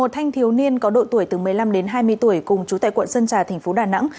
một mươi một thanh thiếu niên có độ tuổi từ một mươi năm đến hai mươi tuổi cùng chú tại quận sơn trà tp đà nẵng